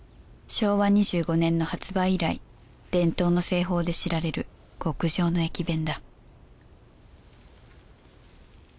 昭和２５年の発売以来伝統の製法で知られる極上の駅弁だ